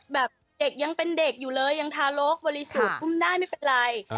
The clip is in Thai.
แบบเด็กยังเป็นเด็กอยู่เลยยังทารกบริสุทธิ์อุ้มได้ไม่เป็นไร